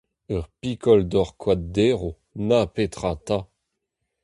Ur pikol dor koad derv… Na petra 'ta !